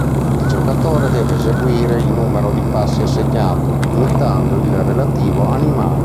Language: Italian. Il giocatore deve eseguire il numero di passi assegnato, imitando il relativo animale.